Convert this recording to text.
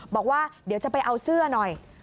บอกว่าเดี๋ยวจะไปเอาเสื้อหน่อย